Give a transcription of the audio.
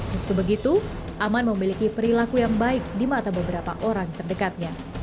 meski begitu aman memiliki perilaku yang baik di mata beberapa orang terdekatnya